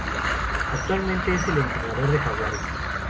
Actualmente es el entrenador de Jaguares.